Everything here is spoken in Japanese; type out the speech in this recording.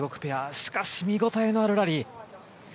しかし、見応えのあるラリー。